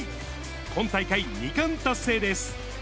今大会２冠達成です。